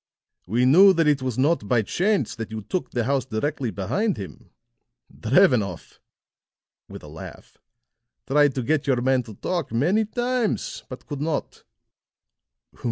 "We knew that it was not by chance that you took the house directly behind him. Drevenoff," with a laugh, "tried to get your man to talk many times, but could not."